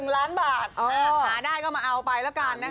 ๑ล้านบาทหาได้ก็มาเอาไปแล้วกันนะคะ